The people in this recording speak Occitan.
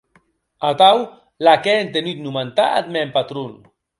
Atau l’ac è entenut nomentar ath mèn patrón.